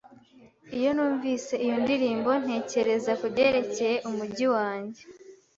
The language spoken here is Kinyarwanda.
Iyo numvise iyo ndirimbo, ntekereza kubyerekeye umujyi wanjye.